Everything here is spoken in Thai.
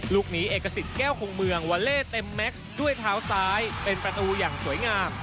ลูกนี้เอกสิทธิ์แก้วคงเมืองวาเล่เต็มแม็กซ์ด้วยเท้าซ้ายเป็นประตูอย่างสวยงาม